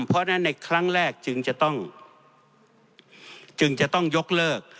เพราะฉะนั้นในครั้งแรกจึงจะต้องจึงจะต้องยกเลิก